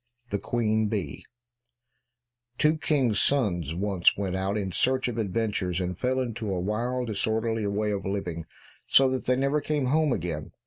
62 The Queen Bee Two kings' sons once went out in search of adventures, and fell into a wild, disorderly way of living, so that they never came home again.